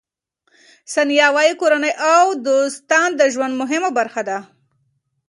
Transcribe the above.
ثانیه وايي، کورنۍ او دوستان د ژوند مهمه برخه دي.